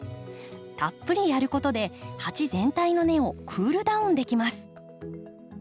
たっぷりやることで鉢全体の根をクールダウンできます。